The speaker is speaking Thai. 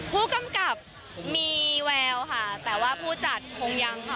ผู้กำกับมีแววค่ะแต่ว่าผู้จัดคงยังค่ะ